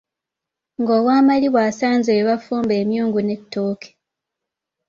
Ng'owamalibu asanze we bafumba emyungu n'ettooke.